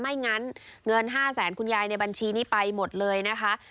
ไม่งั้นเงิน๕แสนคุณยายในบัญชีนี้ไปหมดเลยนะคะ